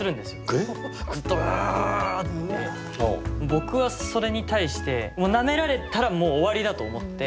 僕はそれに対してなめられたらもう終わりだと思って。